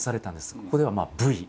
ここでは「Ｖ」。